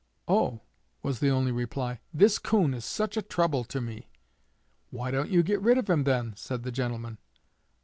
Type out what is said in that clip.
'Oh,' was the only reply, 'this coon is such a trouble to me!' 'Why don't you get rid of him, then?' said the gentleman.